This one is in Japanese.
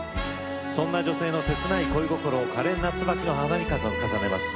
そんな女性の切ない恋心をかれんな椿の花に重ねます。